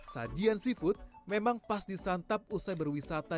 sajian seafood memang pas disantap usai berwisata